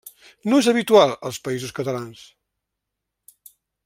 No és habitual als Països Catalans.